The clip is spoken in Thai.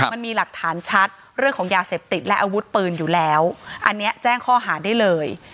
มันมีหลักฐานชัดเรื่องของยาเสพติดและอาวุธปืนอยู่แล้วอันนี้แจ้งข้อหาได้เลย